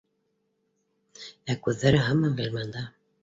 Ә күҙҙәре һаман Ғилманда